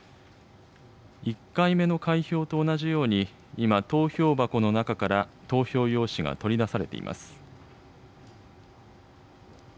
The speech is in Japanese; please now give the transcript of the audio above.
１回目の開票と同じように、今、投票箱の中から投票用紙が取り出されています。